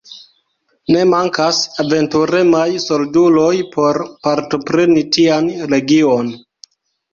Ne mankas aventuremaj solduloj por partopreni tian legion.